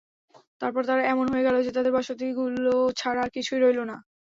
তারপর তারা এমন হয়ে গেল যে, তাদের বসতিগুলো ছাড়া আর কিছুই রইলো না।